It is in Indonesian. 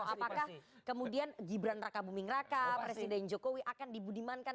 apakah kemudian gibran raka buming raka presiden jokowi akan dibudimankan